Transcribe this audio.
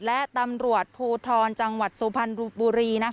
และตำรวจภูทรจังหวัดสุพรรณบุรี